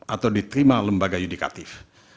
atau diterima lembaga yudikatif